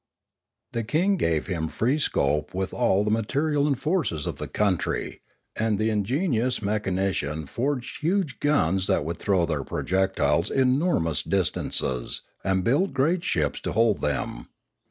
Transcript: The king again gave him free scope with all the ma terial and forces of the country, and the ingenious mechanician forged huge guns that would throw their projectiles enormous distances, and built great ships to hold them.